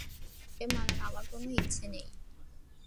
ওকে মারার আমার কোন ইচ্ছা নেই।